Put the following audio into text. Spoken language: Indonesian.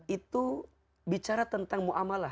itu bicara tentang mu'amalah